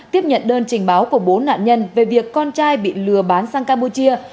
tiếp nhận đơn trình báo của bốn nạn nhân về việc con trai bị lừa bán sang campuchia